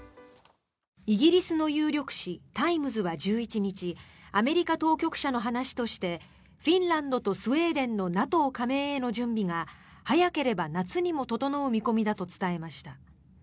イギリスの有力紙タイムズは１１日アメリカ当局者の話としてフィンランドとスウェーデンのＮＡＴＯ加盟への準備が早ければ夏にも整う見込みだと伝えました。